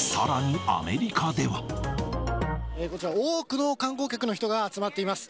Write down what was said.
こちら、多くの観光客の人が集まっています。